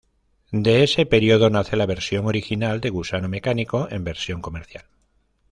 De ese periodo nace la versión original de "Gusano Mecánico" en versión comercial.